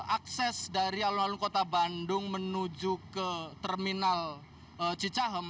akses dari alun alun kota bandung menuju ke terminal cicahem